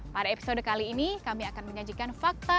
pada episode kali ini kami akan menyajikan fakta